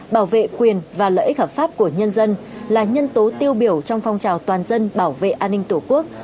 bảo vệ quyền và lợi ích hợp pháp của nhân dân là nhân tố tiêu biểu trong phong trào toàn dân bảo vệ an ninh tổ quốc